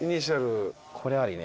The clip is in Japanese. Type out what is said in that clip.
これありね。